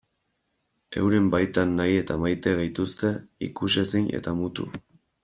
Euren baitan nahi eta maite gaituzte, ikusezin eta mutu.